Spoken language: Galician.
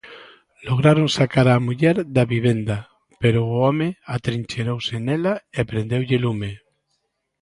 Lograron sacar á muller da vivenda pero o home atrincheirouse nela e prendeulle lume.